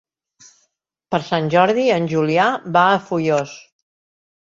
Per Sant Jordi en Julià va a Foios.